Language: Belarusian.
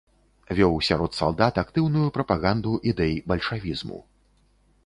Вёў сярод салдат актыўную прапаганду ідэй бальшавізму.